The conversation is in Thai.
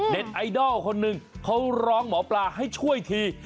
ไอดอลคนหนึ่งเขาร้องหมอปลาให้ช่วยที